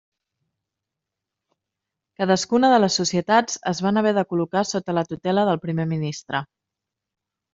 Cadascuna de les societats es van haver de col·locar sota la tutela del Primer Ministre.